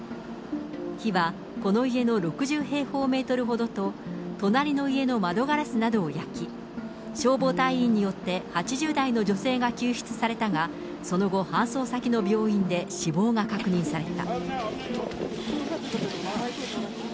火はこの家の６０平方メートルほどと、隣の家の窓ガラスなどを焼き、消防隊員によって８０代の女性が救出されたが、その後、搬送先の病院で死亡が確認された。